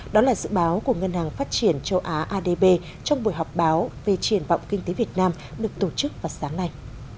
đó là dự báo của ngân hàng phát triển châu á adb trong buổi họp báo về triển vọng kinh tế việt nam được tổ chức vào sáng nay